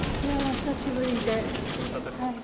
久しぶりで。